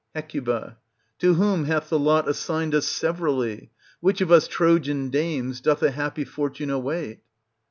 Hec. To whom hath the lot assigned us severally? Which of us Trojan dames doth a happy fortune await